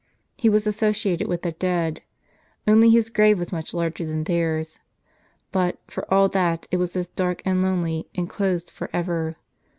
He was associated with the dead, only his grave was much larger than theirs ; but, for all that. it was as dark and lonely, and closed for ever.